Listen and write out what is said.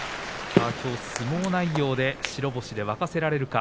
きょうは相撲内容で白星で沸かせられるか。